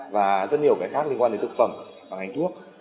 và rất nhiều cái khác liên quan đến thực phẩm và ngành thuốc